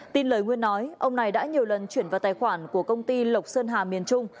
tin lời nguyên nói ông này đã nhiều lần chuyển vào tài khoản của công ty lộc sơn hà miền trung